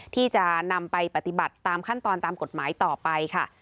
ที่จะนำไปปฏิบัติตามขั้นตอนตามกฎหมายต่อไปค่ะ